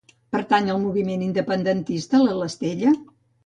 Pertany al moviment independentista l'Estella?